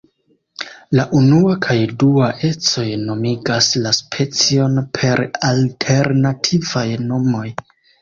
La unua kaj dua ecoj nomigas la specion per alternativaj nomoj.